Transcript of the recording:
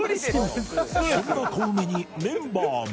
そんなコウメにメンバーも。